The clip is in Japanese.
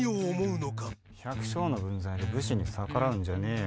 百姓の分際で武士に逆らうんじゃねえよ